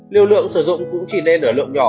liêu lượng sử dụng cũng chỉ nên ở lượng nhỏ